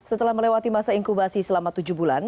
setelah melewati masa inkubasi selama tujuh bulan